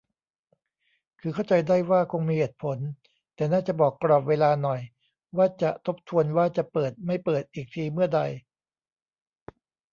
คือเข้าใจได้ว่าคงมีเหตุผล แต่น่าจะบอกกรอบเวลาหน่อย ว่าจะทบทวนว่าจะเปิด-ไม่เปิดอีกทีเมื่อใด